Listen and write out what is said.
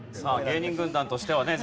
芸人軍団としてはね